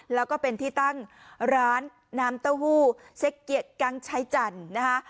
แล้วก็เป็นที่ตั้งร้านน้ำเต้าหู้เซ็กเกียรติกังใช้จันทร์นะคะ